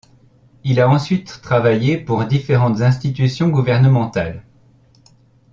Il a ensuite travaillé pour différentes institutions gouvernementales.